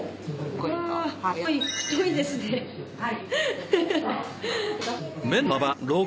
そうですねはい。